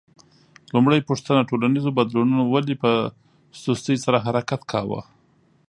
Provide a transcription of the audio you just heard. لومړۍ پوښتنه: ټولنیزو بدلونونو ولې په سستۍ سره حرکت کاوه؟